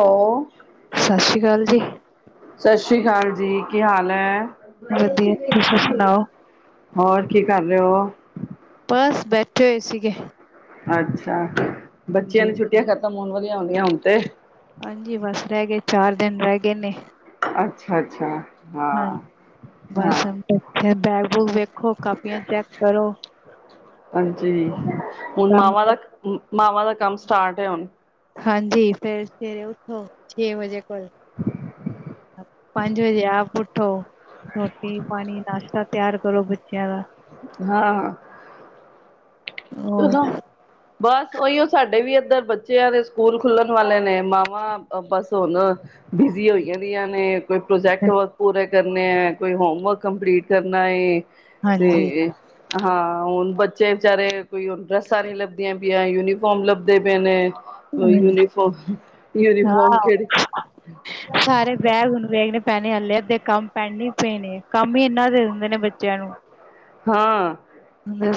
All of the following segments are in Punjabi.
ਹੋ ਸਸ ਸ੍ਰੀ ਕਾਲ ਜੀ। ਸ ਸ੍ਰੀ਼ ਕਾਲ ਜੀ, ਕੀ ਹਾਲ ਹੈ? [inaudible] ਵਧੀਆ ਤੁਸੀਂ ਸੁਣਾਓ? ਹੋਰ ਕੀ ਕਰ ਰਹੇ ਹੋ, ਉੱਠੇ ਹੋਏ ਸੀਗੇ। ਅੱਛਾ, ਬੱਚਿਆਂ ਹਾਂਜੀ। ਨੂੰ ਛੁੱਟੀਆਂ ਖਤਮ ਹੋਨ ਵਾਲਿਆਂ ਹੁਣ ਤੇ। ਹਾਂਜੀ, ਬਸ ਰਹਿ ਗਏ ਚਾਰ ਦਿਨ ਰਹਿ ਗਏ ਨੇ। ਅੱਛਾ ਅੱਛਾ, ਹਾਂਜੀ ਹਾਂ। ਹਾਂ [unintelligible] ਬੈਗ ਬੂਗ ਵੇਖੋ ਕਾਪੀਆਂ ਚੈੱਕ ਕਰੋ। ਹਾਂਜੀ, ਹੁਨ ਕੰਮ ਮਾਵਾਂ ਦਾ ਕਰੋ। ਮਾਵਾਂ ਦਾ ਕੰਮ ਸਟਾਰਟ ਏ ਹੁਨ। ਹਾਂਜੀ ਫੇਰ ਸਵੇਰੇ ਉੱਠੋ ਛੇ ਵਜੇ ਕੋਲ। ਪੰਜ ਵਜੇ ਆਪ ਉੱਠੋ, ਰੋਟੀ ਪਾਨੀ, ਨਾਸ਼ਤਾ ਤਿਆਰ ਕਰੋ ਬੱਚਿਆਂ ਦਾ। ਹਾਂ। ਹੋਰ ਕਿਦਾ ਬਸ ੳਈਓ ਸਾਡੇ ਵੀ ਏ ਇੱਧਰ ਬੱਚਿਆਂ ਦੇ ਸਕੂਲ ਖੁੱਲਨ ਵਾਲੇ ਨੇ ਮਾਵਾਂ ਬਸ ਹੁਨ ਬਿਜ਼ੀ ਹੋਈਆਂ ਦੀਆਂ ਨੇ ਕੋਈ ਪ੍ਰੋਜੈਕਟ ਵਰਕ ਪੂਰੇ ਕਰਨੇ ਏ, ਕੋਈ ਹੋਮਵਰਕ ਕੰਪਲੀਟ ਕਰਨਾ ਏ। ਹਾਂਜੀ ਤੇ, ਹਾਂ ਹੁਨ ਬੱਚੇ ਵਿਚਾਰੇ ਕੋਈ ਹੁਨ ਡਰੈੱਸਾਂ ਨੀ ਲੱਭਦੀਆਂ ਪਈਆਂ, ਯੂਨੀਫਾਰਮ ਲਭਦੇ ਪਏ ਨੇ। ਹਾਂਜੀ, ਯੂਨੀਫੋਮ ਯੂਨੀਫੋਮ ਹਾਂ ਕੇਹੜੀ। ਸਾਰੇ ਬੈਗ ਹੁਣ ਵੇਖਣੇ ਪੈਨੇ ਹੱਲੇ ਅੱਧੇ ਕੰਮ ਪੈਂਡਿੰਗ ਪਏ ਨੇ, ਕੰਮ ਈ ਇਨਾ ਦੇ ਦਿੰਦੇ ਨੇ ਬੱਚਿਆਂ ਨੂੰ। ਹਾਂ।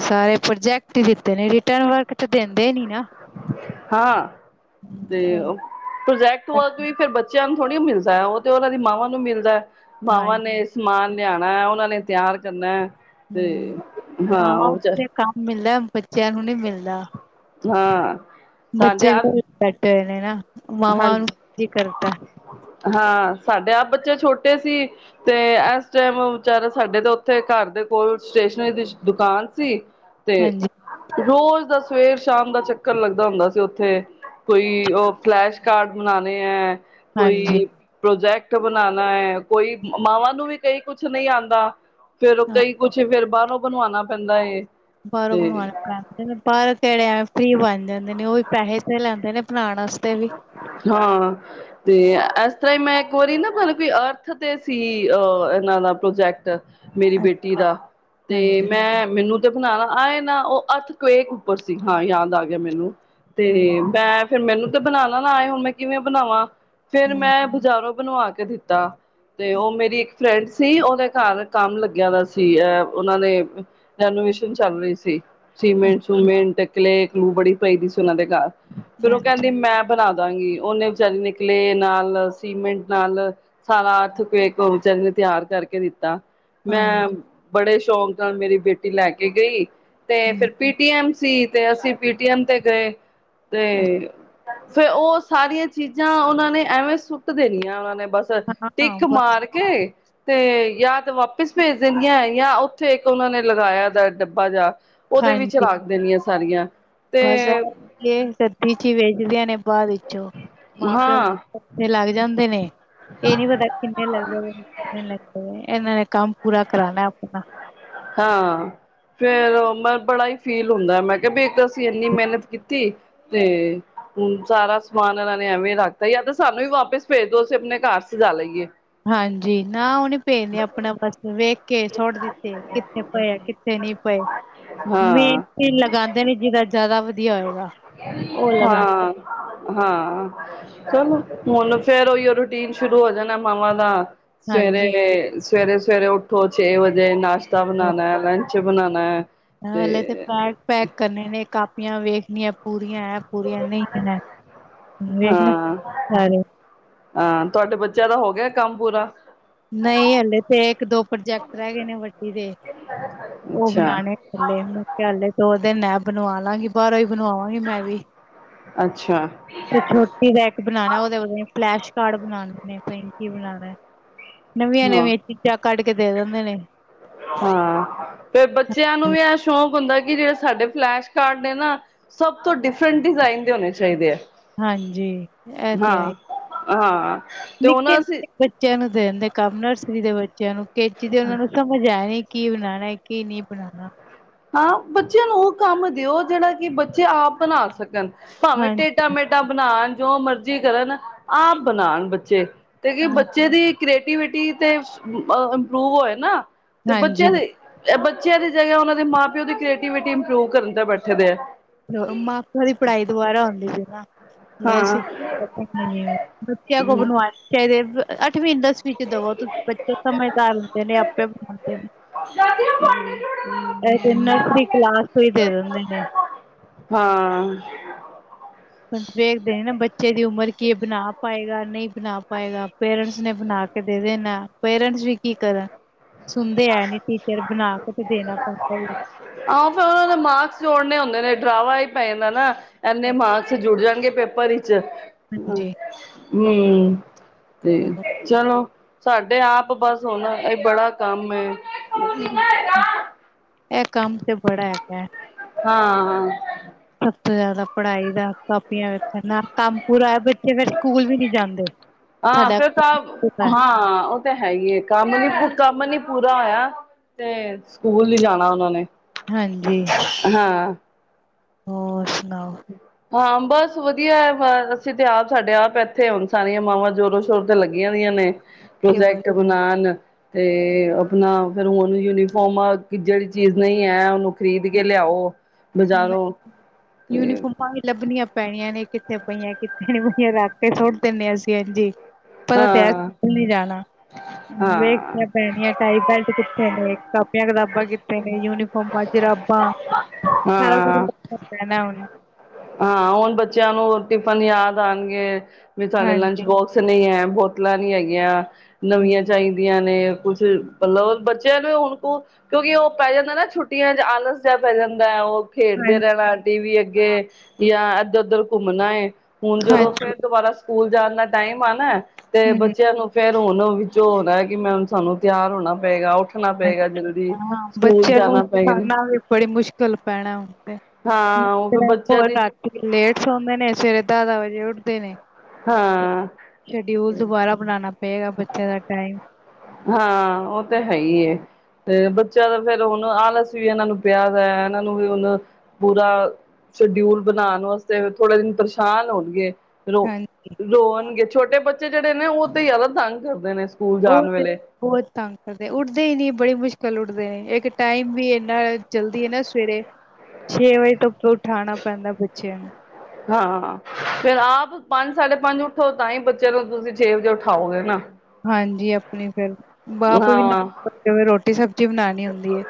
ਸਾਰੇ ਪ੍ਰੋਜੈਕਟ ਈ ਦਿੱਤੇ ਨੇ ਰਿਟਨ ਵਰਕ ਤੇ ਦੇੰਦੇ ਈ ਨੀ ਨਾ। ਹਾਂ, ਤੇ ਹੂੰ, ੳ ਪ੍ਰੋਜੈਕਟ ਵਰਕ ਵੀ ਫਿਰ ਬੱਚੇ ਬੱਚਿਆਂ ਨੂੰ ਥੋੜ੍ਹੀ ਮਿਲਦਾ, ਉਹ ਤੇ ਉਹਨਾਂ ਦੀ ਮਾਵਾਂ ਨੂੰ ਮਿਲਦੇ, ਮਾਵਾਂ ਹਾਂਜੀ ਨੇ ਸਮਾਨ ਲਿਆਣਾ ਉਹਨਾ ਨੇ ਤਿਆਰ ਕਰਨੇ ਹਮ, ਮਾਵਾਂ ਉਤੇ ਕੰਮ ਮਿਲਦੇ, ਬੱਚਿਆਂ ਨੂੰ ਨੀ ਮਿਲਦਾ ਹਾਂ ਸਾਡੇ ਬੱਚੇ ਬੈਠੇ ਹੋਏ ਨੇ ਨਾ, ਮਾਵਾ ਹਾਂਜੀ [unintelligible] ਕਰਦੇ ਹਾਂ, ਸਾਡੇ ਆਪ ਬੱਚੇ ਛੋਟੇ ਸੀ ਤੇ, ਏਸ ਟੇਮ ਵਿਚਾਰਾ ਸਾਡੇ ਤਾਂ ਉੱਥੇ ਘਰ ਦੇ ਕੋਲ ਸਟੇਸ਼ਨਰੀ ਦੀ ਦੁਕਾਨ ਸੀ ਤੇ, ਹਾਂਜੀ। ਰੋਜ਼ ਦੱਸ ਸਵੇਰ ਸ਼ਾਮ ਦਾ ਚੱਕਰ ਲੱਗਦਾ ਹੁੰਦਾ ਸੀ ਉੱਥੇ ਕੋਈ ਉਹ ਫਲੈਸ਼ ਕਾਰਡ ਬਨਾਨੇ ਏ ਹਾਂਜੀ ਕੋਈ ਪ੍ਰੋਜੈਕਟ ਬਨਾਨਾ ਹੈ, ਕੋਈ ਮਾਵਾਂ ਨੂੰ ਵੀ ਕਈ ਕੁਛ ਨਹੀਂ ਆਂਦਾ ਫੇਰ ੳ ਹਾਂ ਕਈ ਕੁੱਛ ਫੇਰ ਬਾਹਰੋਂ ਬਨਵਾਨਾ ਪੈਂਦਾ ਐ ਬਾਹਰੋਂ ਬਣਵਾਣਾ ਪੈਂਦੇ ਨੇ ਬਾਹਰੋਂ ਕਿਹੜੇ ਐਵੇਂ ਫੀ ਬਣ ਜਾਂਦੇ ਨੇ ਉਹ ਵੀ ਪੈਸੇ ਤੇ ਲੈਂਦੇ ਨੇ। ਬਣਾਣ ਵਾਸਤੇ ਵੀ ਹਾਂ, ਤੇ ਇਸ ਤਰ੍ਹਾਂ ਹੀ ਮੈਂ ਇੱਕ ਵਾਰੀ ਨਾ ਮਤਲਬ ਅਰਥ ਤੇ ਸੀ ਅਹ ਇਹਨਾਂ ਦਾ ਪ੍ਰੋਜੈਕਟ, ਮੇਰੀ ਬੇਟੀ ਅੱਛਾ ਦਾ ਤੇ ਹਾਂਜੀ ਮੈਂ ਮੈਨੂੰ ਬਣਾਣਾ ਆਏ ਨਾ ਉਹ ਅਰਥ [unintelligible] ਉੱਪਰ ਸੀ ਹਾਂ ਯਾਦ ਆ ਗਿਆ ਮੈਨੂੰ ਤੇ ਹਾਂਜੀ ਮੈਂ ਫਿਰ ਮੈਨੂੰ ਤੇ ਬਣਾਣਾ ਨਾ ਆਏ ਹੁਣ ਮੈਂ ਕਿਵੇਂ ਬਣਾਵਾਂ ਫਿਰ ਹੂੰ ਮੈਂ ਬਾਜ਼ਾਰੋਂ ਬਣਵਾ ਕੇ ਦਿੱਤਾ। ਤੇ ਉਹ ਮੇਰੀ ਇੱਕ ਫਰੈਂਡ ਸੀ ਉਹਦੇ ਘਰ ਕੰਮ ਲੱਗਿਆ ਦਾ ਸੀ ਉਹਨਾਂ ਰੈਨੋਮੇਸ਼ਨ ਚੱਲ ਰਹੀ ਸੀ। ਸੀਮੈਂਟ ਸਮੈਂਟ ਕਲੇਅ ਕਲੂ ਬੜੀ ਪਈ ਦੀ ਸੀ ਉਹਨਾਂ ਦੇ ਘਰ। ਫੇਰ ਉਹ ਹਾਂਜੀ, ਕਹਿੰਦੀ ਮੈਂ ਬਣਾ ਦਾਂਗੀ ਉਹਨੇ ਵਿਚਾਰੀ ਨੇ ਕਲੇਅ ਨਾਲ ਸੀਮੈਂਟ ਨਾਲ ਸਾਰਾ ਅਰਥ, ਕਰਮਚਾਰੀ ਨੇ ਤਿਆਰ ਕਰਕੇ ਦਿੱਤਾ। ਹਾਂਜੀ ਮੈਂ ਬੜੇ ਸ਼ੌਂਕ ਨਾਲ ਮੇਰੀ ਬੇਟੀ ਲੈ ਕੇ ਗਈ ਤੇ ਫਿਰ ਪੀਟੀ ਐਮ ਸੀ ਤੇ ਅਸੀਂ ਪੀ ਟੀ ਐਮ ਤੇ ਗਏ ਤੇ ਹੂੰ ਫਿਰ ਉਹ ਸਾਰੀਆਂ ਚੀਜ਼ਾਂ ਉਹਨਾਂ ਨੇ ਐਵੇਂ ਸੁੱਟ ਦੇਣੀਆਂ ਉਹਨਾਂ ਨੇ। ਬਸ ਅੱਛਾ ਹਾਂ ਟਿੱਕ ਬਸ ਮਾਰ ਕੇ ਤੇ ਜਾ ਤਾਂ ਵਾਪਿਸ ਭੇਜ ਦੇਣੀ ਜਾਂ ਉੱਥੇ ਇੱਕ ਉਹਨਾਂ ਨੇ ਲਗਾਇਆ ਦਾ ਡੱਬਾ ਜਾ, ਉਹਦੇ ਹਾਂਜੀ ਵਿੱਚ ਰੱਖ ਦੇਣੀਆਂ ਸਾਰੀਆਂ। ਤੇ ਬਸ ਐ ਕਿ ਰੱਦੀ ਚ ਵੇਚਦੀਆਂ ਨੇ। ਬਾਅਦ ਵਿੱਚੋਂ ਮਾਂ ਪਿਓ ਹਾਂ ਦੇ [unintelligible] ਲੱਗ ਜਾਂਦੇ ਨੇ। ਇਹ ਨੀ ਪਤਾ ਕਿੰਨੇ ਲੱਗਦੇ ਕਿੰਨੇ ਲੱਗ ਇਹਨਾਂ ਨੇ ਕੰਮ ਪੂਰਾ ਕਰਾਣਾ ਆਪਣਾ ਹਾਂ ਫੇਰ ਬੜਾ ਹੀ ਫੀਲ ਹੁੰਦਾ ਮੈਂ ਕਿਹਾ ਵੀ ਇੱਕ ਅਸੀਂ ਇੰਨੀ ਮਿਹਨਤ ਕੀਤੀ ਤੇ ਹੂੰ ਸਾਰਾ ਸਮਾਨ ਇਹਨਾਂ ਨੇ ਐਵੇਂ ਰੱਖਤਾ ਜਾ ਤੇ ਸਾਨੂੰ ਵੀ ਵਾਪਿਸ ਭੇਜ ਦੋ ਅਸੀਂ ਆਪਣੇ ਘਰ [unintelligible] ਹਾਂਜੀ ਨਾ ਉਹਨੇ ਪਏ ਨੇ ਆਪਣਾ ਬਸ ਵੇਖ ਕੇ ਸੁੱਟ ਦਿੱਤੇ ਕਿੱਥੇ ਪਏ ਕਿੱਥੇ ਨਹੀਂ ਪਏ। ਹਾਂ ਮੇਨ ਲਗਾਂਦੇ ਨੇ ਜਿਹਦਾ ਜ਼ਿਆਦਾ ਵਧੀਆ ਹੋਏਗਾ ਉਹ ਲਗਾਂਦੇ ਹਾਂ ਹਾਂ, ਚਲੋ ਹੁਣ ਫੇਰ ਉਹੀ ਉਹ ਰੂਟੀਨ ਸ਼ੁਰੂ ਹੋ ਜਾਣਾ ਮਾਵਾਂ ਦਾ ਹਾਂਜੀ, ਸਵੇਰੇ ਸਵੇਰੇ ਸਵੇਰੇ ਉੱਠੋ ਛੇ ਵਜੇ ਨਾਸ਼ਤਾ ਬਣਾਣਾ ਲੰਚ ਬਣਾਣਾ। ਹਲੇ ਤੇ ਪੈਕ ਪੈਕ ਕਰਨੇ ਨੇ ਕਾਪੀਆਂ ਵੇਖਣੀਆਂ। ਪੂਰੀਆਂ ਐ ਪੂਰੀਆਂ ਨਹੀਂ ਐ ਵੇਖਣੇ ਹਾਂ ਸਾਰੇ ਹਾਂ, ਤੁਹਾਡੇ ਬੱਚਿਆਂ ਦਾ ਹੋ ਗਿਆ ਕੰਮ ਪੂਰਾ। ਨਹੀਂ ਹਲੇ ਤੇ ਇੱਕ ਦੋ ਪ੍ਰੋਜੈਕਟ ਰਹਿ ਗਏ ਨੇ ਵੱਡੀ ਦੇ। ਉਹ ਅੱਛਾ ਬਣਾਣੇ [unintelligible] ਮੁਕੇ ਹਲੇ ਉਹਦੇ ਮੈਂ ਬਣਵਾ ਲਾਂਗੀ ਬਾਹਰੋਂ ਹੀ। ਬਣਵਾਵਾਂਗੀ ਮੈਂ ਵੀ ਅੱਛਾ ਤੇ ਛੋਟੀ ਦਾ ਇੱਕ ਬਣਾਣਾ ਉਹਦੇ ਫਲੈਸ਼ ਕਾਰਡ ਬਣਾਣੇ [unintelligible] ਕੀ ਬਣਾਣਾ, ਨਵੀਆਂ ਹਾਂ ਨਵੀਆਂ ਚੀਜ਼ਾਂ ਕੱਢ ਕੇ ਦੇ ਦਿੰਦੇ ਨੇ। ਹਾਂ। ਫਿਰ ਬੱਚਿਆਂ ਨੂੰ ਵੀ ਇਹ ਸ਼ੌਕ ਹੁੰਦਾ ਕਿ ਜਿਹੜੇ ਸਾਡੇ ਫਲੈਸ਼ ਕਾਰਡ ਨੇ ਨਾ, ਸਭ ਤੋਂ ਡਿਫਰੈਂਟ ਡਿਜ਼ਾਇਨ ਦੇ ਹੋਣੇ ਚਾਹੀਦੇ ਆ। ਹਾਂਜੀ, ਏ ਤੇ ਹਾਂ ਹੈਈ। ਹਾਂ। ਤੇ ਨਿੱੱਕੇ ਹੁਣ ਅਸੀਂ ਨਿੱੱਕੇ ਬੱਚਿਆਂ ਨੂੰ ਦੇ ਦਿੰਦੇ ਕੰਮ ਨਰਸਰੀ ਦੇ ਬੱਚਿਆਂ ਨੂੰ ਕੇ ਜੀ ਦੇ ਉਹਨਾਂ ਨੂੰ ਸਮਝ ਆਇਆ ਨੀ। ਕੀ ਬਣਾਣਾ ਏ, ਕੀ ਨਹੀਂ ਬਣਾਣਾ। ਹਾਂ, ਬੱਚਿਆਂ ਨੂੰ ਉਹ ਕੰਮ ਦਿਓ। ਜਿਹੜਾ ਕਿ ਬੱਚੇ ਆਪ ਬਣਾ ਸਕਣ। ਭਾਵੇਂ ਟੇਡਾ ਹਾਂਜੀ ਮੇਡਾ ਬਣਾਣ, ਜੋ ਮਰਜ਼ੀ ਕਰਨ, ਆਪ ਬਣਾਣ ਬੱਚੇ। ਤੇ ਕੀ ਬੱਚੇ ਦੀ ਕ੍ਰੀਏਟੀਿਵਿਟੀ ਤੇ ਇੰਪਰੂਵ ਹੋਏ ਨਾ। ਤੇ ਬੱਚਿਆਂ ਹਾਂਜੀ ਦੀ, ਬੱਚਿਆਂ ਦੀ ਜਗ੍ਹਾ ਉਹਨਾਂ ਦੇ ਮਾਂ ਪਿਓ ਦੀ ਕ੍ਰੀਏਟੀਵਿਟੀ ਇੰਪਰੂਵ ਕਰਨ ਤੇ ਬੈਠੇ ਦੇ ਆ। ਮਾਂ -ਪਿਉ ਦੀ ਪੜ੍ਹਾਈ ਦੁਵਾਰਾ ਆਦੀ ਪਈ ਨਾ। ਇਹ ਅਸੀਂ ਹਾਂ ਪਤਾ ਕਿਵੇ ਏ, ਬੱਚਿਆਂ ਕੋਲ ਬਣਵਾਣੇ ਚਾਹੀਦੇ। ਅੱਠਵੀਂ ਦਸਵੀਂ ਚ ਦਵੋ ਤੁਸੀਂ ਬੱਚੇ ਸਮਝਦਾਰ ਹੁੰਦੇ ਨੇ ਆਪੇ ਬਣਾਉਂਦੇ ਨੇ ਇਹ ਤੇ ਨਰਸਰੀ ਕਲਾਸ ਤੋਂ ਹੀ ਦੇ ਦਿੰਦੇ ਨੇ ਹਾਂ, ਵੇਖਦੇ ਨੇ ਨਾ, ਬੱਚੇ ਦੀ ਉਮਰ ਕੀ ਬਣਾ ਪਾਏਗਾ, ਨਹੀਂ ਬਣਾ ਪਾਏਗਾ ਪੇਰੈਂਟਸ। ਨੇ ਬਣਾ ਕੇ ਦੇ ਦੇਣਾ ਪੇਰੈਂਟਸ ਵੀ ਕੀ ਕਰਨ। ਸੁਣਦੇ ਐ ਨੀ ਟੀਚਰ ਬਣਾ ਕੇ ਤੇ ਦੇਣਾ ਪਦਾ ਏ। ਆਹੋ, ਫਿਰ ਉਹਨਾਂ ਦੇ ਮਾਕਸ ਜੋੜਨੇ ਹੁੰਦੇ ਨੇ ਡਰਾਵਾ। ਪੈ ਨਾ-ਨਾ ਇਨੇ ਮਾਰਕਸ ਜੁੜ ਜਾਣਗੇ ਪੇਪਰ ਵਿਚ, ਹਾਂਜੀ ਹੂੰ, ਤੇ ਚਲੋ ਸਾਡੇ ਆਪ ਬਸ ਹੁਣ ਇਹ ਬੜਾ, ਕੰਮ [unintelligible] ਇਹ ਕੰਮ ਤੇ ਬੜਾ ਹੈਗਾ। ਹਾਂ-ਹਾਂ, ਸਭ ਤੋਂ ਜ਼ਿਆਦਾ ਪੜ੍ਹਾਈ ਦਾ, ਕਾਪੀਆਂ ਵੇਖਣ ਨਾ ਕੰਮ ਪੂਰਾ ਹੈ, ਬੱਚੇ ਫੇਰ ਸਕੂਲ ਵੀ ਨਹੀ ਜਾਂਦੇ। ਹਾਂ ਫਿਰ ਤਾਂ ਸਾਡਾ ਹਾਂ ਉਹ ਤਾਂ ਹੈ, ਕੰਮ ਨੀ ਕੰਮ ਨੀ। ਪੂਰਾ ਹੋਇਆ ਤੇ ਸਕੂਲ ਜਾਣਾ ਉਹਨਾਂ ਨੇ। ਹਾਂਜੀ, ਹਾਂ ਹੋਰ ਸੁਣਾਓ? ਹਾਂ, ਬੱਸ ਵਧੀਆ ਹੈ, ਅਸੀਂ ਤਾਂ ਆਪ ਸਾਡੇ ਆਪ ਇੱਥੇ ਹੁਣ ਸਾਰੀਆਂ ਮਾਵਾਂ ਜ਼ੋਰੋ ਸ਼ੋਰ ਤੇ ਲੱਗੀਆਂ ਹੋਈਆਂ ਨੇ। ਕੀ ਹੋਰ ਪ੍ਰੋਜੈਕਟ ਬਣਾਣ, ਤੇ ਆਪਣਾ ਫੇਰ ਈਰ ਉਹਨੂੰ ਯੂਨੀਫੋਮ ਜਿਹੜੀ ਚੀਜ਼ ਨਹੀਂ ਹੈ, ਉਹਨੂੰ ਖ਼ਰੀਦ ਕੇ ਲਿਆਓ ਬਜ਼ਾਰੋਂ? ਤੇ ਯੂਨੀਫੋਮਾਂ ਹੀ ਲੱਭਣੀਆਂ ਪੈਣੀਆਂ। ਨੇ ਕਿੱਥੇ ਪਈਆਂ, ਕਿੱਥੇ ਨੀ ਪਈਆਂ ਰੱਖ ਕੇ ਸੁੱਟ ਦਿੰਦੇ ਹਾ ਇੰਜ ਈ। ਪਤਾ ਤੇ ਹਾਂ ਨਹੀਂ ਜਾਣਾ। ਵੇਖ ਹਾਂ ਪੈਣੀਆਂ ਟਾਈ ਬੈਲਟ ਕਿੱਥੇ ਨੇ, ਕਾਪੀਆਂ ਕਿਤਾਬਾਂ ਕਿੱਥੇ ਨੇ ਯੂਨੀਫੋਮਾਂ ਚ ਰੱਬਾਂ, ਹ ਸਾਰ ਹ ਹਾਂ, ਹੁਣ ਬੱਚਿਆਂ ਨੂੰ ਟਿਫਨ ਯਾਦ ਆਣਗੇ। ਵਿਚ ਲੰਚ ਹਾਂਜੀ ਬੋਕਸ ਨਹੀਂ ਐ, ਬੋਤਲਾਂ ਨਹੀ ਹੈਗੀਆਂ, ਨਵੀਆਂ ਹੂੰ ਚਾਹੀਦੀਆਂ ਨੇ। ਕੁਛ ਮਤਲਬ ਬੱਚਿਆਂ ਨੂੰ ਹੁਣ, ਕਿਉਂਕਿ ਉਹ ਪੈ ਜਾਂਦਾ ਨਾ, ਛੁੱਟੀਆਂ ਚ ਆਲਸ ਜਿਹਾ ਪੈ ਜਾਂਦਾ ਹੈ, ਉਹ ਖੇਡਦੇ ਹਾਂਜੀ ਰਹਿਣਾ ਆਂ ਟੀ-ਵੀ ਅੱਗੇ, ਜਾਂ ਇੱਧਰ ਉਧਰ ਘੁੰਮਣਾ ਏ, ਹੁਣ ਜਦੋਂ ਹਾਂਜੀ ਫਿਰ ਦੁਬਾਰਾ ਸਕੂਲ ਜਾਣ ਦਾ ਟਾਈਮ ਆ ਨਾ। ਤੇ ਹੂੰ ਬੱਚਿਆਂ ਨੂੰ ਫੇਰ ਹੁਣ ਵਿੱਚੋਂ ਹੋਣਾ, ਕਿ ਮੈ ਸਾਨੂੰ ਤਿਆਰ ਹੋਣਾ ਪਏਗਾ। ਉੱਠਣਾ ਪਏਗਾ ਜਲਦੀ ਹਾਂ ਸਕੂਲ ਬੱਚਿਆਂ ਨੂੰ ਜਾਣਾ ਪਏਗਾ ਖਾਣਾ ਵੀ ਬੜੀ ਮੁਸ਼ਕਿਲ ਪੈਣਾ ਹੁੰ ਹਾਂ ਉਹ ਫਿਰ ਬੱਚੇ, ਹੋ ਰਾਤੀ ਲੇਟ ਸੌਦੇ ਨੇ, ਸਵੇਰੇ ਦਾਰਾ ਵਜੇ ਉੱਠਦੇ ਨੇ। ਹਾਂ, ਸ਼ਡਿਊਲ ਦੁਬਾਰਾ ਬਣਾਣਾ ਪਏਗਾ ਬੱਚੇ ਦਾ ਟਾਈਮ ਹਾਂ ਉਹ ਤਾਂ ਹੈ ਹੀ, ਤੇ ਬੱਚਾ ਦਾ ਫੇਰ ਹੁਣ ਆਲਸ ਵੀ ਇਹਨਾਂ ਨੂੰ ਪਿਆ ਦਾ ਇਹਨਾਂ ਨੂੰ ਵੀ ਹੁਣ ਪੂਰਾ। ਸ਼ਡਿਊਲ ਬਣਾਣ ਵਾਸਤੇ ਥੋੜਾ ਦਿਨ ਪਰੇਸ਼ਾਨ ਹੋਣਗੇ। ਰੋ ਹਾਂਜੀ, ਰੋਣਗੇ ਛੋਟੇ ਬੱਚੇ ਜਿਹੜੇ ਨੇ ਉਹ ਤੇ ਜ਼ਿਆਦਾ ਤੰਗ ਕਰਦੇ ਨੇ, ਸਕੂਲ ਉਹ ਜਾਣ ਤੇ ਵੇਲੇ ਬਹੁਤ ਤੰਗ ਕਰਦੇ ਉੱਡਦੇ ਹੀ ਨਹੀਂ ਬੜੀ ਮੁਸ਼ਕਿਲ, ਉੱਠਦੇ ਨੇ ਇੱਕ ਟਾਈਮ ਵੀ ਇੰਨਾ ਜਲਦੀ ਹੈ, ਨਾ ਸਵੇਰੇ ਛੇ ਵਜੇ ਤੋਂ ਉਠਾਣਾ ਪੈਂਦਾ ਬੱਚਿਆਂ ਨੂੰ ਹਾਂ ਫਿਰ ਆਪ ਪੰਜ ਸਾਡੇ ਪੰਜ ਉੱਠੋ ਤਾਂ ਹੀ ਬੱਚਿਆਂ ਨੂੰ ਤੁਸੀਂ ਛੇ ਵਜੇ ਉਠਾਓਗੇ ਨਾ, ਹਾਂਜੀ, ਆਪਣੀ ਫਿਰ ਬਾਪ ਵੀ ਹਾਂ ਰੋਟੀ ਸਬਜ਼ੀ ਬਣਾਣੀ ਹੁੰਦੀ ਹੈ।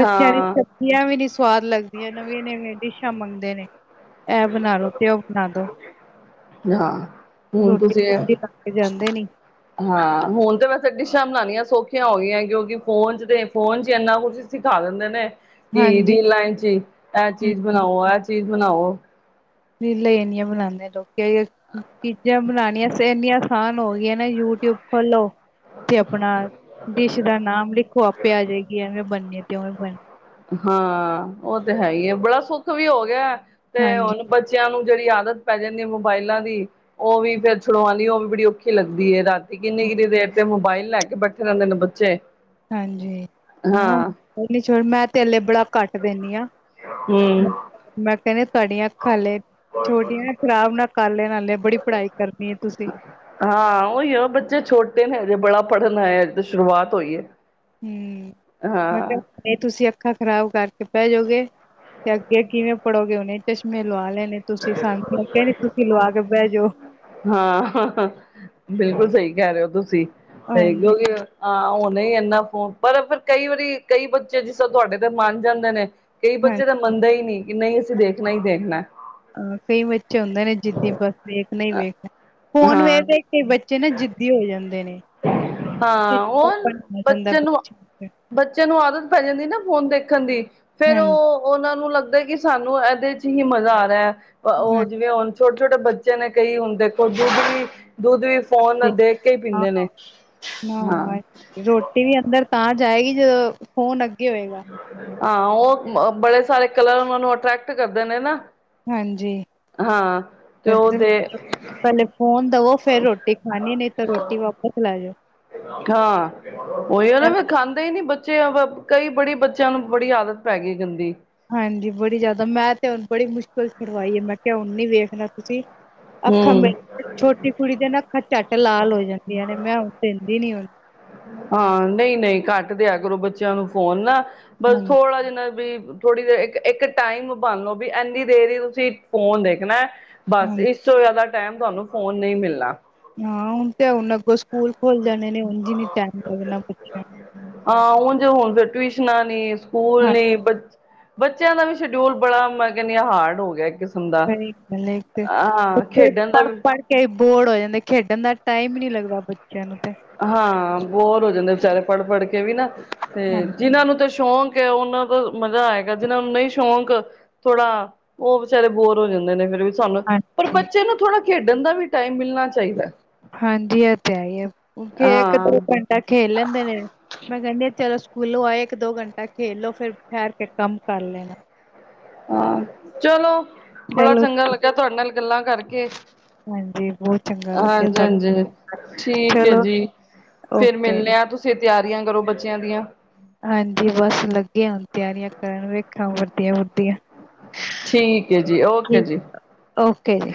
ਬੱਚਿਆਂ ਦੀ ਸਬਜ਼ੀਆਂ ਵੀ ਨੀ ਸਵਾਦ ਲੱਗਦੀਆਂ ਨਵੀਆਂਂ ਨਵੇੀਆਂ ਡਿਸ਼ਾਂ ਮੰਗਦੇ ਨੇ, ਇਹ ਬਣਾ ਲੋ ਕਿਉ ਬਣਾ ਦੋ, ਹਾਂ ਹੁਣ ਰੋਟੀ ਤੁਸੀਂ ਸਬਜ਼ੀ ਲਾ ਕੇ ਜਾਂਦੇ ਨੀ ਹਾਂ ਹੁਣ ਤਾਂ ਵੈਸੇ ਡਿਸ਼ਾਂ ਬਣਾਉਣੀਆਂ ਸੌਖੀਆਂ ਹੋ ਗਈਆਂ ਕਿਉਂਕਿ ਫੋਨ 'ਚ ਤਾਂ ਫੋਨ 'ਚ ਇੰਨਾ ਕੁਛ ਸਿਖਾ ਦਿੰਦੇ ਨੇ ਕੀ ਹਾਂਜੀ ਦੀਨ ਲਾਈਨ ਚੇ ਇਹ ਹੂੰ ਚੀਜ਼ ਬਣਾਓ ਇਹ ਚੀਜ਼ ਬਣਾਓ ਰੀਲਾਂ ਬਣਾਉਂਦੇ ਲੋਕ ਚੀਜ਼ਾਂ ਬਣਾਉਣੀਆਂ ਇੰਨੀਆਂ ਆਸਾਨ ਹੋਈ ਨਾ ਯੂਟੀਊਬ ਖੋਲੋ ਤੇ ਆਪਣਾ ਦੇਸ਼ ਦਾ ਨਾਮ ਲਿਖੋ ਆਪੇ ਆ ਜਾਏਗੀ ਐਵੇਂ ਬਣਨੀ ਤੇ ਉਵੇ ਹਾਂ ਉਹ ਤੇ ਹੈ ਹੀ ਹੈ ਬੜਾ ਸੁੱਖ ਵੀ ਹੋ ਗਿਆ ਤੇ ਹਾਂਜੀ ਹੁਣ ਬੱਚਿਆਂ ਨੂੰ ਜਿਹੜੀ ਆਦਤ ਪੈ ਜਾਂਦੀ ਹੈ ਮੋਬਾਇਲਾਂ ਦੀ ਉਹ ਵੀ ਫਿਰ ਛੜਾਣੀ ਉਹ ਵੀ ਬੜੀ ਔਖੀ ਲੱਗਦੀ ਹੈ ਰਾਤ ਤੇ ਕਿੰਨੀ ਕਿੰਨੀ ਦੇਰ ਤੇ ਮੋਬਾਈਲ ਲੈ ਕੇ ਬੈਠੇ ਰਹਿੰਦੇ ਨੇ ਬੱਚੇ ਹਾਂਜੀ ਹਾਂ ਨ ਮੈਂ ਤੇਲੇ ਬੜਾ ਕੱਟ ਦਿੰਦੀ ਆ ਹਮ ਮੈਂ ਕਹਿੰਦੀ ਖਾਲੇ ਛੋਟੀਆਂ ਖਰਾਬ ਨਾ ਕਰ ਲਏ ਹਲੇ ਬੜੀ ਪੜ੍ਹਾਈ ਕਰਨੀ ਹੈ ਤੁਸੀਂ ਹਾਂ ਉਹੀ ਆ ਬੱਚੇ ਛੋਟੇ ਨੇ ਹਜੇ ਬੜਾ ਪੜਨਾ ਆਇਆ ਤਾਂ ਸ਼ੁਰੂਆਤ ਹੋਈ ਹੈ ਹਮ ਮੈਂ ਹਾਂ ਕਿਹਾ ਤੁਸੀਂ ਅੱਖਾਂ ਖ਼ਰਾਬ ਕਰਕੇ ਪੈ ਜਾੋਗੇ ਤੇ ਅੱਗੇ ਕਿਵੇਂ ਪੜੋਗੇ ਉਹਨੇ ਚਸ਼ਮੇ ਲਵਾ ਲੈਣੇ ਤੁਸੀਂ ਸਾਨੂੰ ਲੱਗਿਆ ਨੀ ਤੁਸੀਂ ਲਵਾ ਕੇ ਬਹਿ ਜਾਓ ਹਾਂ ਬਿਲਕੁਲ ਸਹੀ ਕਹਿ ਰਹੇ ਹੋ ਤੁਸੀਂ ਹੈਗੇ ਹਾਂਜੀ ਹੋਗੇ ਹੋ ਹਾਂ ਉਹਣੇ ਇਨਾ ਫੋਨ ਪਰ ਫਿਰ ਕਈ ਵਾਰੀ ਕਈ ਬੱਚੇ ਜਿਸ ਤਰ੍ਹਾਂ ਤੁਹਾਡੇ ਤੇ ਮੰਨ ਜਾਂਦੇ ਨੇ ਕਈ ਬੱਚੇ ਹਾਂਜੀ ਤਾਂ ਮੰਨਦਾ ਹੀ ਨਹੀਂ ਕਿ ਨਹੀਂ ਅਸੀਂ ਦੇਖਣਾ ਹੀ ਦੇਖਣਾ ਹਾਂ ਕਈ ਬੱਚੇ ਹੁੰਦੇ ਨੇ ਜਿੱਦੀ ਬਸ ਵੇਖ ਨਹੀਂ ਵੇਖ ਫੋਨ ਹਾਂ ਵੇਰ ਦੇ ਕਈ ਬੱਚੇ ਨਾ ਜਿੱਦੀ ਹੋ ਜਾਂਦੇ ਨੇ ਹਾਂ ਉਹ ਚਿੜਚਿੜਾਪਨ ਹੋ ਜਾਂਦਾ ਬੱਚਿਆਂ ਨੂੰ ਬੱਚੇ ਵਿੱਚ। ਬੱਚਿਆਂ ਨੂੰ ਆਦਤ ਪੈ ਜਾਂਦੀ ਨਾ ਹੁਣ ਦੇਖਣ ਦੀ ਫਿਰ ਹਾਂਜੀ ਉਹ ਉਹਨਾਂ ਨੂੰ ਲੱਗਦਾ ਕਿ ਸਾਨੂੰ ਇਹਦੇ ਚ ਹੀ ਮਜ਼ਾ ਆ ਰਿਹਾ ਹੈ ਉਹ ਜਿਵੇਂ ਹੁਣ ਛੋਟੇ ਛੋਟੇ ਬੱਚੇ ਨੇ ਕਈ ਹੁਣ ਦੇਖੋ ਜੋ ਦੁੱਧ ਵੀ ਦੁੱਧ ਵੀ ਫੋਨ ਹਾਂਜੀ ਦੇਖ ਕੇ ਹੀ ਹਾਂ ਪੀਂਦੇ ਨੇ ਹਾਂ ਨਾ ਹਾਂ ਰੋਟੀ ਵੀ ਅੰਦਰ ਤਾਂ ਜਾਏਗੀ ਜਦੋਂ ਫੋਨ ਅਗੇ ਹਾਂ ਉਹ ਬੜੇ ਸਾਰੇ ਕਲਰ ਉਹਨਾਂ ਨੂੰ ਅਟਰੈਕਟ ਕਰਦੇ ਨੇ ਨਾ ਜੀੇ ਹਾਂ ਤੇ ਉਹ ਤੇ ਪਹਿਲੇ ਫੋਨ ਦਵੋ ਫਿਰ ਰੋਟੀ ਖਾਣੀ ਨਹੀਂ ਤਾਂ ਰੋਟੀ ਵਾਪਸ ਲੈ ਜਾਓ ਹਾਂ ਉਹੀ ਉਹ ਨਾ ਫ ਖਾਂਦੇ ਹੀ ਨੀ ਬੱਚੇ ਕਈ ਬੜੀ ਬੱਚਿਆਂ ਨੂੰ ਬੜੀ ਆਦਤ ਪੈ ਗਈ ਗੰਦੀ ਫਸਟ ਸੁਣਾਈ ਮੈਂ ਕਿਹਾ ਹਣ ਵੇਖਣਾ ਰੱਬ ਜੀ ਅੱਖਾਂ ਹਮ ਮੇ ਛੋਟੀ ਕੁੜੀ ਦੇ ਨਾ ਅੱਖਾਂ ਝੱਟ ਲਾਲ ਹੋ ਜਾਂਦੀਆਂ ਨੇ ਮੈਂ ਹਣ ਦਿੰਦੀ ਨੀ ਆਉਦੀ ਹਾਂ ਨਹੀਂ ਨਹੀਂ ਘੱਟ ਦੇ ਬੱਚਿਆਂ ਨੂੰ ਫੋਨ ਨਾ ਬਸ ਹਾਂਜੀ ਥੋੜਾ ਜਿ ਨਾ ਵੀ ਥੋੜੀ ਦੇਰ ਇੱਕ ਇੱਕ ਟਾਈਮ ਬਣ ਲਓ ਵੀ ਇੰਨੀ ਦੇਰ ਹੀ ਤੁਸੀਂ ਫੋਨ ਦੇਖਣਾ ਬਸ ਹਾਂਜੀ ਇਸ ਤੋਂ ਜ਼ਿਆਦਾ ਟਾਈਮ ਤੁਹਾਨੂੰ ਫੋਨ ਨਹੀਂ ਮਿਲਣਾ। ਹਾਂ ਹੁਣ ਤੇ ਹੁਣ ਅੱਗੋਂ ਸਕੂਲ ਖੁੱਲ ਜਾਣੇ ਨੇ ਹੁਣ ਜਿਵੇ ਟਾਈਮ ਲੱਗਣਾ ਬੱਚਿਆਂ ਨੂੰ ਹਾਂ ਹੁਣ ਜ ਹੁਣ ਫਿਰ ਟਿਊਸ਼ਨਾਂ ਨੀ ਨੂੰ ਸਕੂਲ ਹਾਂਜੀ ਨੀ ਬਚ ਬੱਚਿਆਂ ਦਾ ਵੀ ਸ਼ਡਿਊਲ ਬੜਾ ਮੈਂ ਕਹਿੰਦੀ ਹਾਂ ਹਾਰਡ ਹੋ ਗਿਆ। ਕਿਸਮ ਦਾ ਸਹੀ ਗੱਲ ਤੇ ਹਾਂ ਉੱਥੇ ਖੇਡਣ ਦਾ ਪੜ, ਵੀ ਪੜ ਕੇ ਬੋਰਡ ਹੋ ਜਾਂਦਾ ਖੇਡਣ ਦਾ ਟਾਈਮ ਹੀ ਨਹੀਂ ਲੱਗਦਾ ਬ ਹਾਂ ਬੋਰ ਹੋ ਜਾਂਦੇ ਵਿਚਾਰੇ ਪੜ,, ਪੜ ਕੇ ਵੀ ਨਾ ਤੇ ਹਾਂਜੀ ਜਿਹਨਾਂ ਨੂੰ ਤੇ ਸ਼ੌਕ ਉਹਨਾਂ ਦਾ ਮਜ਼ਾ ਆਏਗਾ ਜਿਹਨਾਂ ਨੂੰ ਨਹੀਂ ਸ਼ੌਕ ਥੋੜਾ ਉਹ ਵਿਚਾਰੇ ਬੋਰ ਹੋ ਜਾਂਦੇ ਨੇ ਫਿਰ ਵੀ ਸਾਨੂੰ ਪਰ ਹਾਂਜੀ ਬੱਚੇ ਨੂੰ ਥੋੜਾ ਖੇਡਣ ਦਾ ਵੀ ਟਾਈਮ ਮਿਲਣਾ ਚਾਹੀਦਾ। ਹਾਂਜੀ ਇਹ ਤੇ ਹੈ ਹੀ ਹੈ। ਥੇ ਇੱਕ ਹਾਂ ਦੋ ਘੰਟਾ ਖੇਲ ਲੈਂਦੇ ਨੇ ਮੈਂ ਕਹਿੰਦੀ ਚਲੋ ੂਸਕੁਲੋ ਆਏ ਇੱਕ ਦੋ ਘੰਟਾ ਖੇਲੋ ਫਿਰ ਠਹਿਰ ਕੇ ਕੰਮ ਕਰ ਲੈਣਾ। ਹਾਂ, ਚਲੋ ਬੜਾ ਚਲੋ ਚੰਗਾ ਲੱਗਾ ਤੁਹਾਡੇ ਨਾਲ ਗੱਲਾਂ ਕਰਕੇ ਹਾਂਜੀ ਬਹੁਤ ਚੰਗਾ ਲੱਗਿਆ ਹਾਂਜੀ, ਤੁਹਾਡੇ ਹਾਂਜੀ ਨਾਲ, ਠੀਕ ਐ ਚਲੋ ਜੀ। ਫਿਰ ਓਕੇ ਮਿਲਣੇ ਆ ਤੁਸੀਂ ਤਿਆਰੀਆਂ ਕਰੋ ਬੱਚਿਆਂ ਦੀਆਂ ਹਾਂਜੀ, ਬਸ ਲੱਗੇ ਹੁਣ ਤਿਆਰੀਆਂ ਕਰਨ ਵੇਖਾਂ ਵਰਦੀਆ, ਵੁਰਦੀਆ। ਠੀਕ ਹੈ ਜੀ ਓਕੇ ਠੀਕ, ਜੀ ਓਕੇ ਜੀ।